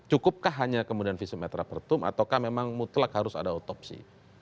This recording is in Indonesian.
cukupkah hanya kemudian visum et repertum ataukah memang mutlak harus ada otopsi